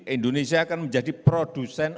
indonesia akan menjadi produsen